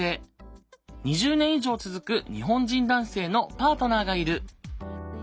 ２０年以上続く日本人男性のパートナーがいる。